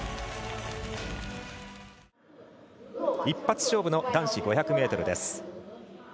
一発勝負の男子５００ｍです。